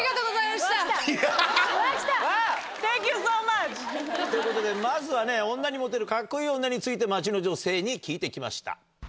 ハハハハ！ということでまずはね女にモテるカッコいい女について街の女性に聞いて来ました。